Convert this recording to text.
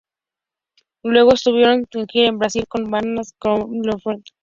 Luego estuvieron de gira por Brasil, con bandas como White frogs y Dead Fish.